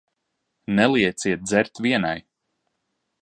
Nelieciet dzert vienai.